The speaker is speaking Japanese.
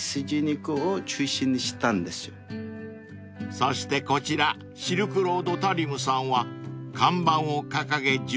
［そしてこちらシルクロード・タリムさんは看板を掲げ１２年目］